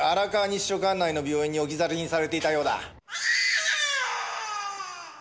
管内の病院に置き去りにされていたようだ。